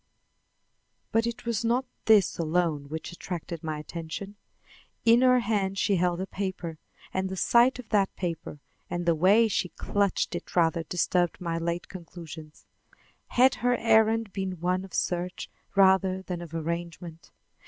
But it was not this alone which attracted my attention. In her hand she held a paper, and the sight of that paper and the way she clutched it rather disturbed my late conclusions. Had her errand been one of search rather than of arrangement?